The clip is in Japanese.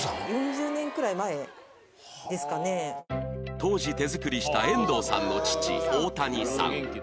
当時手作りした遠藤さんの父大谷さん